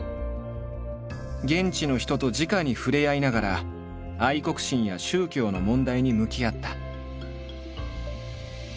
現地の人とじかに触れ合いながら愛国心や宗教の問題に向き合った。